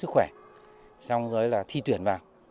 sức khỏe xong rồi là thi tuyển vào